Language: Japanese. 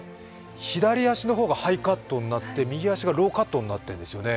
左足の方がハイカットになってて右足がローカットになっているんですね。